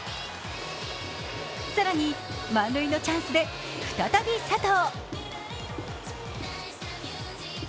更に満塁のチャンスで再び佐藤。